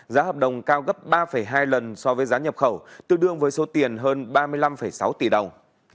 giá hợp đồng cao gấp ba hai lần so với giá nhập khẩu tương đương với số tiền hơn ba mươi năm sáu tỷ đồng